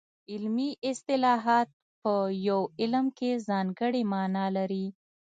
علمي اصطلاحات په یو علم کې ځانګړې مانا لري